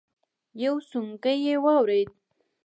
يو سونګی يې واورېد.